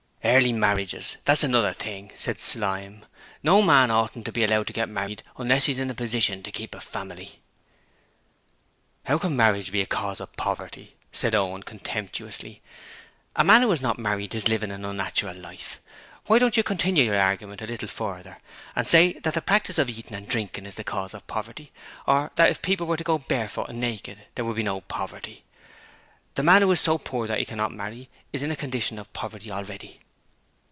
'Early marriages is another thing,' said Slyme: 'no man oughtn't to be allowed to get married unless he's in a position to keep a family.' 'How can marriage be a cause of poverty?' said Owen, contemptuously. 'A man who is not married is living an unnatural life. Why don't you continue your argument a little further and say that the practice of eating and drinking is the cause of poverty or that if people were to go barefoot and naked there would be no poverty? The man who is so poor that he cannot marry is in a condition of poverty already.'